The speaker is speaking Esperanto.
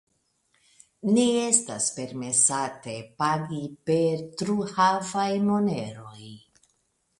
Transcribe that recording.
Ne estas permesate pagi per truhavaj moneroj.